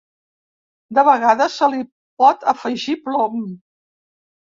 De vegades se li pot afegir plom.